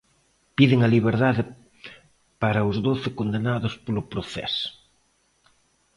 Piden a liberdade para os doce condenados polo Procés.